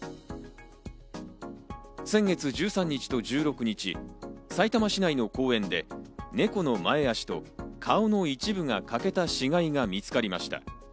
先月１３日と１６日、さいたま市内の公園で猫の前足と顔の一部が欠けた死骸が見つかりました。